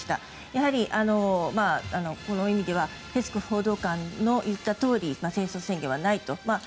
やはり、この意味ではペスコフ報道官の言ったとおりに戦争宣言はないと。